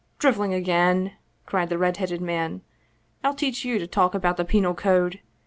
" Driveling again !" cried the red headed man. " I'll teach you to talk about the Penal Code